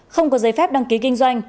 không có giấy phép đăng ký kinh doanh